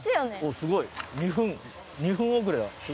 すごい２分遅れだ。